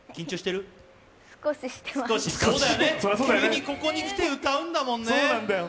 急にここに来て歌うんだもんね。